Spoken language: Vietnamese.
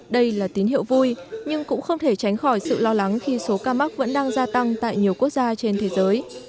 đây là tín hiệu vui nhưng cũng không thể tránh khỏi sự lo lắng khi số ca mắc vẫn đang gia tăng tại nhiều quốc gia trên thế giới